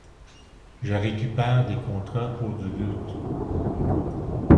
Je récupère des contrats pour du loot.